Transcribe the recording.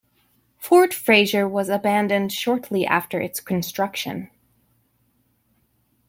Fort Fraser was abandoned shortly after its construction.